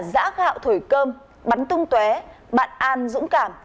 giã gạo thổi cơm bắn tung té bạn an dũng cảm